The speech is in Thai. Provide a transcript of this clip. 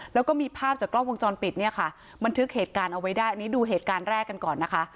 แล้วก็มีภาพจากกล้องวงจรปิดเนี่ยค่ะบันทึกเหตุการณ์เอาไว้ได้อันนี้ดูเหตุการณ์แรกกันก่อนนะคะ